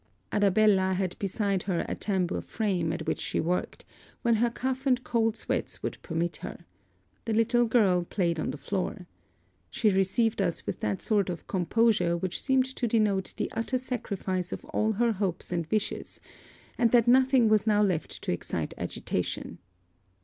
Arabella had beside her a tambour frame, at which she worked, when her cough and cold sweats would permit her. The little girl played on the floor. She received us with that sort of composure which seemed to denote the utter sacrifice of all her hopes and wishes, and that nothing was now left to excite agitation.